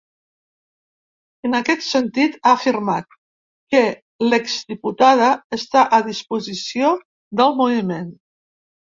En aquest sentit, ha afirmat que l’ex-diputada està a disposició del moviment.